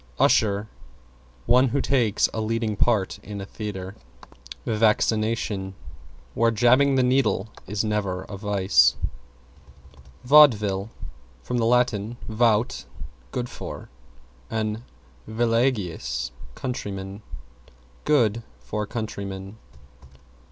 =USHER= One who takes a leading part in a theatre. =VACCINATION= Where "jabbing the needle" is never a vice. =VAUDEVILLE= From Lat. vaut, good for, and villageois, countryman. Good for countrymen.